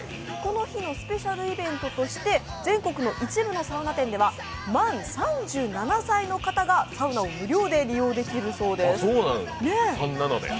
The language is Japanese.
この日のスペシャルイベントとして、全国の一部のサウナ店では満３７歳の方がサウナを無料で利用できるそうです。